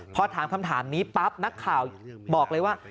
พอถามคำถามนี้ปั๊บนักข่าวบอกเลยว่า